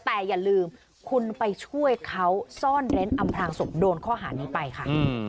แต่อย่าลืมคุณไปช่วยเขาซ่อนเร้นอำพลางศพโดนข้อหานี้ไปค่ะ